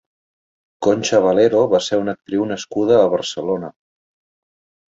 Concha Valero va ser una actriu nascuda a Barcelona.